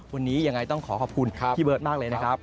วันนี้ยังไงต้องขอขอบคุณพี่เบิร์ตมากเลยนะครับ